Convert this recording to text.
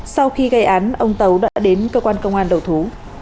sau khi gây án ông tấu đã đến cơ quan công an đầu thú